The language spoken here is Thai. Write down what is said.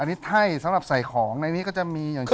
อันนี้ไท่สำหรับใส่ของอันนี้ก็จะมี